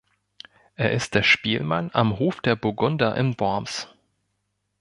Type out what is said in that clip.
Er ist der Spielmann am Hof der Burgunder in Worms.